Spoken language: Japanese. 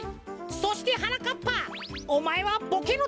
そしてはなかっぱおまえはボケのてんさいだ！